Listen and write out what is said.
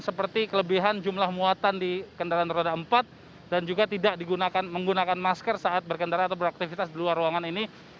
seperti kelebihan jumlah muatan di kendaraan roda empat dan juga tidak menggunakan masker saat berkendara atau beraktivitas di luar ruangan ini